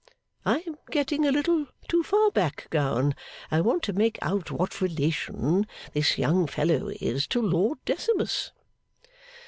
I am getting a little too far back, Gowan; I want to make out what relation this young fellow is to Lord Decimus.